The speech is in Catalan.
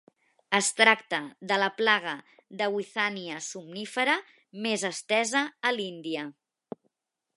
Es tracta de la plaga de "Withania somnifera" més estesa a l'Índia.